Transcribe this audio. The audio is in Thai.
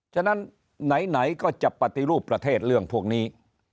ฉะนั้นไหนก็จะปฏิรูปประเทศเรื่องพวกนี้